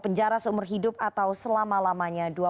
penjara seumur hidup atau selama lamanya